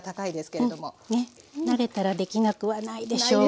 慣れたらできなくはないでしょうが。